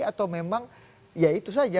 atau memang ya itu saja